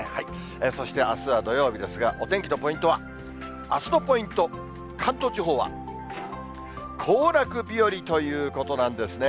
そしてあすは土曜日ですが、お天気のポイントは、あすのポイント、関東地方は行楽日和ということなんですね。